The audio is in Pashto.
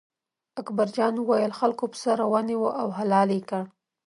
اکبر جان وویل: خلکو پسه را ونیوه او حلال یې کړ.